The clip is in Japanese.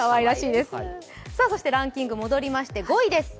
そしてランキング戻りまして５位です。